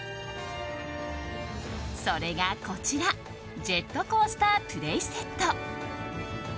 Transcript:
それが、こちらジェットコースタープレイセット。